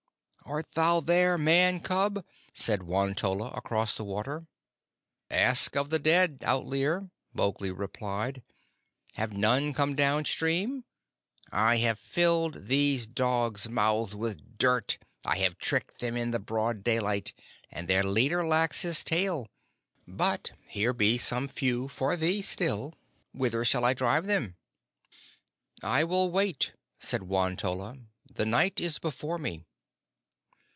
"Art thou there, Man cub?" said Won tolla across the water. "Ask of the dead, Outlier," Mowgli replied. "Have none come down stream? I have filled these dogs' mouths with dirt; I have tricked them in the broad daylight, and their leader lacks his tail, but here be some few for thee still. Whither shall I drive them?" "I will wait," said Won tolla. "The night is before me."